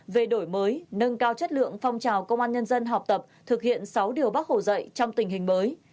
về đổi mới nâng cao chất lượng phong trào công an nhân dân học tập thực hiện sáu điều bác hồ dạy trong tình hình mới